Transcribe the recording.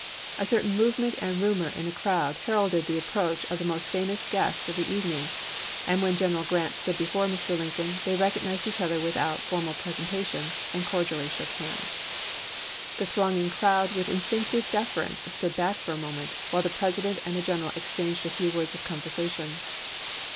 A cer tain movement and rumor in the crowd heralded the approach of the most famous guest of the even ing, and when General Grant stood before Mr. Lincoln they recognized each other without for mal presentation, and cordially shook hands. The thronging crowd with instinctive deference stood back for a moment, while the President and the general exchanged a few words of conversation.